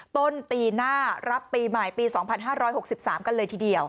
ต้นปีหน้ารับปีใหม่ปี๒๕๖๓กันเลยทีเดียว